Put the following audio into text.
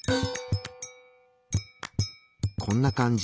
こんな感じ。